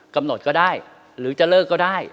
ก็ได้หรือจะเลิกก็ได้